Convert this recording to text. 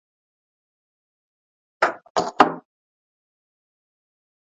کچالو د سفر اسانه ملګری دی